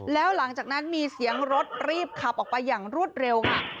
แล้วหลังจากนั้นมีเสียงรถรีบขับออกไปอย่างรวดเร็วค่ะ